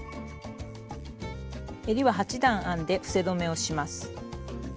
えりは８段編んで伏せ止めをします。